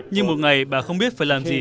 nhưng một ngày bà không biết phải làm gì